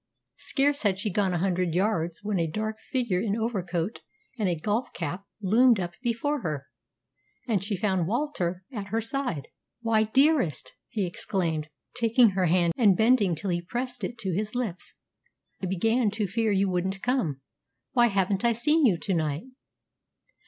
Scarce had she gone a hundred yards when a dark figure in overcoat and a golf cap loomed up before her, and she found Walter at her side. "Why, dearest!" he exclaimed, taking her hand and bending till he pressed it to his lips, "I began to fear you wouldn't come. Why haven't I seen you to night?"